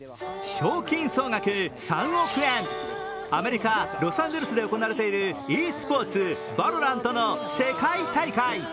賞金総額３億円、アメリカロサンゼルスで行われているｅスポーツ、ＶＡＬＯＲＡＮＴの世界大会。